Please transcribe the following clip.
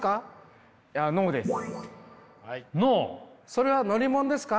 それは乗り物ですか？